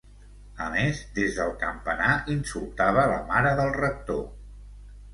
A més, des del campanar insultava la mare del rector.